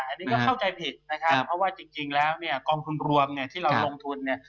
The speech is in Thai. อันนี้ก็เข้าใจผิดนะครับเพราะว่าจริงแล้วเนี่ยกองทุนรวมเนี่ยที่เราลงทุนเนี่ย